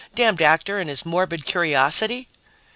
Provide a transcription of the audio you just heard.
"Damned actor and his morbid curiosity!"